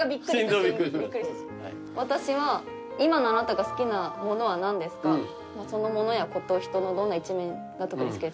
私は「今のあなたが好きなものは何ですか？」「その物や事人のどんな一面が特に好きですか？」